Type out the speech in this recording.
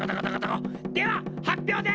では発表です！